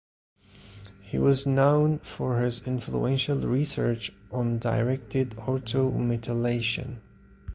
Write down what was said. He was known for his influential research on directed ortho metalation.